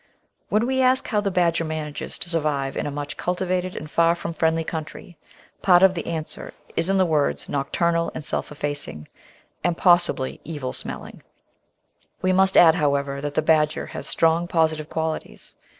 When we ask how the Badger manages to survive in a much cultivated and far from friendly country, part of the answer is in the words nocturnal and self effacing, and, possibly, evil smelling: We must add, however, that the Badger has strong positive quali ties.